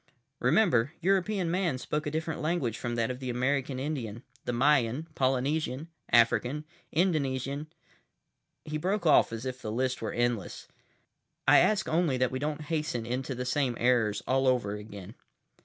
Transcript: Remember, European man spoke a different language from that of the American Indian, the Mayan, Polynesian, African, Indonesian—" He broke off as if the list were endless. "I ask only that we don't hasten into the same errors all over again."